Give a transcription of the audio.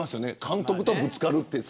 監督とぶつかるって。